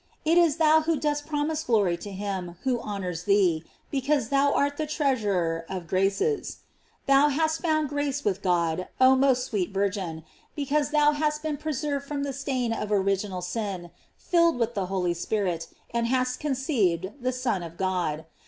It is thou who dost promise glory to him who honors thee, because * bou art the treasurer of graces. Thou hast found grace with God, oh most GLOBIES OF MAKT. 327 sweet Virgin, because thou hast been preserved from the stain of original sin, filled with the Holy Spirit, and hast conceited the Son of God.